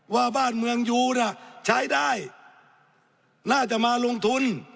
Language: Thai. ว่าบ้านเมืองยูน่ะใช้ได้น่าจะมาลงทุน